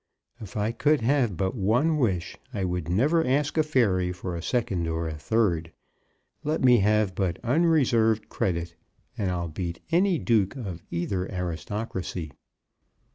If I could have but one wish, I would never ask a fairy for a second or a third. Let me have but unreserved credit, and I'll beat any duke of either aristocracy.